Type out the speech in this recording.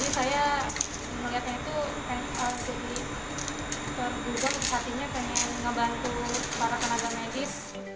jadi saya melihatnya itu tergudang hatinya pengen membantu para tenaga medis